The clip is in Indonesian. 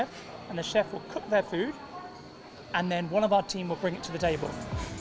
dan satu tim kita akan membawanya ke tabel